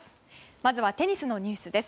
まずはテニスのニュースです。